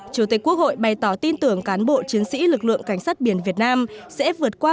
chủ tịch quốc hội bày tỏ tin tưởng cán bộ chiến sĩ lực lượng cảnh sát biển việt nam sẽ vượt qua